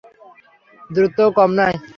দূরত্বও কম নয়।